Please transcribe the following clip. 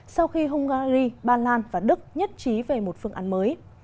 sau khi hungary ba lan và đức nhất trí về một phương án mới